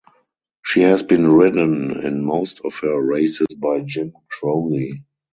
She has been ridden in most of her races by Jim Crowley.